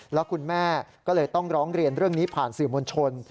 แล้วคุณแม่ก็เลยต้องร้องเรียนเรื่องนี้ผ่านสื่อมวลชน